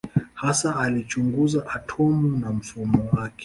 Hasa alichunguza atomu na mfumo wake.